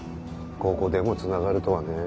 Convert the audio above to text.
ここでもつながるとはね。